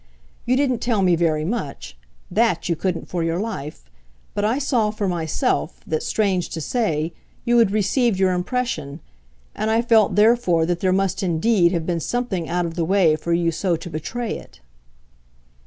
You didn't tell me very much THAT you couldn't for your life; but I saw for myself that, strange to say, you had received your impression, and I felt therefore that there must indeed have been something out of the way for you so to betray it."